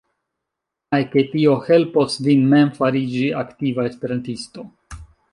Kaj ke tio helpos vin mem fariĝi aktiva esperantisto.